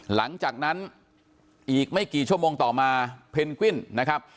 หลังจากนั้นอีกไม่กี่ชั่วโมงต่อมาเพนกวิ้นนะครับ